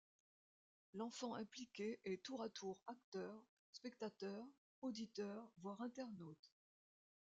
L’enfant impliqué est tour à tour acteur, spectateur, auditeur voire internaute.